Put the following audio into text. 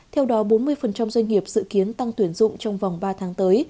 theo đó bốn mươi doanh nghiệp dự kiến tăng tuyển dụng trong vòng ba tháng tới